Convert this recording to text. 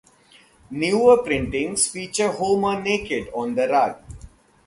Newer printings feature Homer naked on the rug.